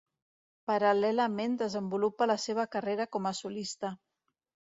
Paral·lelament desenvolupa la seva carrera com a solista.